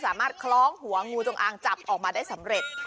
คล้องหัวงูจงอางจับออกมาได้สำเร็จ